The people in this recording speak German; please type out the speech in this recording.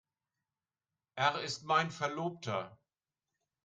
Er ist mein Verlobter.